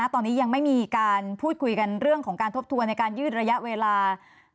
ตอนนี้ยังไม่มีการพูดคุยกันเรื่องของการทบทวนในการยืดระยะเวลา